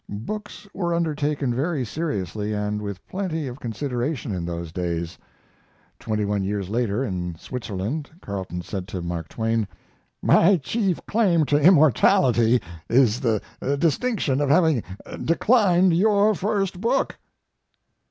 Books were undertaken very seriously and with plenty of consideration in those days. Twenty one years later, in Switzerland, Carleton said to Mark Twain: "My chief claim to immortality is the distinction of having declined your first book."